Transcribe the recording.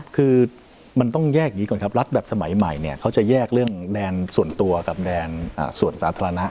คือมันต้องแยกอย่างนี้ก่อนครับรัฐแบบสมัยใหม่เนี่ยเขาจะแยกเรื่องแดนส่วนตัวกับแดนส่วนสาธารณะ